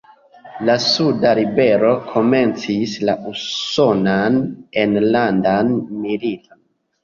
La suda ribelo komencis la Usonan Enlandan Militon.